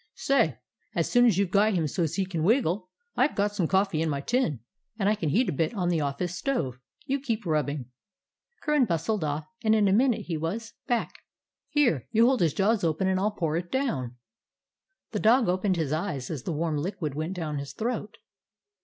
"Say, as soon as you get him so 's he can wiggle, I 've got some coffee in my tin, and I can heat a bit on the office stove. You keep rubbing." Curran bustled off, and in a minute he was 159 DOG HEROES OF MANY LANDS back. "Here, you hold his jaws open and I 'll pour it down." The dog opened his eyes as the warm liquid went down his throat.